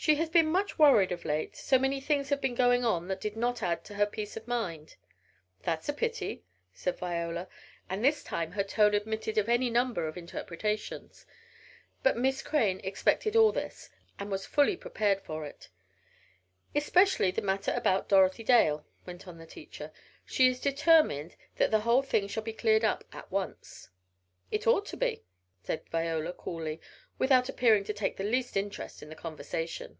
"She has been much worried of late, so many things have been going on that did not add to her peace of mind." "That's a pity," said Viola, and this time her tone admitted of any number of interpretations. But Miss Crane expected all this and was fully prepared for it. "Especially that matter about Dorothy Dale," went on the teacher. "She is determined that the whole thing shall be cleared up at once." "It ought to be," said Viola coolly, without appearing to take the least interest in the conversation.